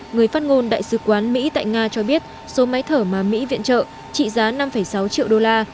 người phát ngôn đại sứ quán mỹ tại nga cho biết số máy thở mà mỹ viện trợ trị giá năm sáu triệu đô la